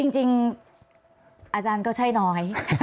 จริงอาจารย์ก็ใช่น้อย